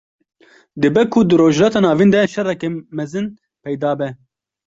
Dibe ku di rojhilata navîn de şereke mezin peyda be